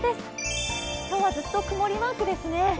今日はずっと曇りマークですね。